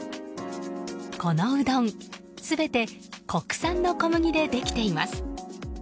このうどん全て国産の小麦でできています。